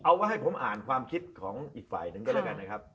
เอาว่าให้ผมอ่านความคิดของอีกฝ่ายหนึ่งก็แล้วกันนะครับ